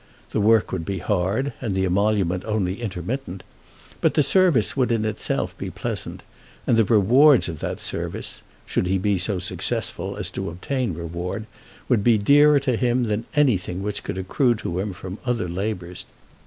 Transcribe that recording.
The work would be hard, and the emolument only intermittent; but the service would in itself be pleasant; and the rewards of that service, should he be so successful as to obtain reward, would be dearer to him than anything which could accrue to him from other labours.